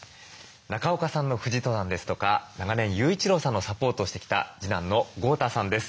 中岡さんの富士登山ですとか長年雄一郎さんのサポートをしてきた次男の豪太さんです。